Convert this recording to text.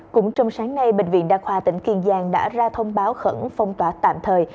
cũng trong sáng nay bệnh viện đa khoa tỉnh kiên giang đã ra thông báo khẩn phong tỏa tạm thời